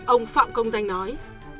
ông phạm công danh nói